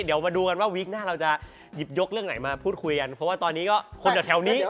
เดี๋ยวมาดูกันว่าวีคหน้าเราจะหยิบยกเรื่องไหนมาพูดคุยกันเพราะว่าตอนนี้ก็คนแถวนี้